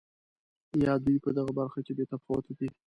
یا دوی په دغه برخه کې بې تفاوته دي.